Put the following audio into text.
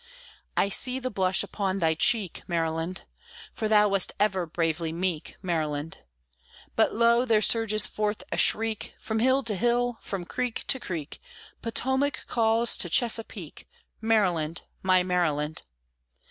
I see the blush upon thy cheek, Maryland! For thou wast ever bravely meek, Maryland! But lo! there surges forth a shriek, From hill to hill, from creek to creek, Potomac calls to Chesapeake, Maryland, my Maryland!